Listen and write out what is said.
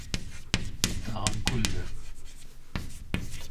Tag‘in kuldi.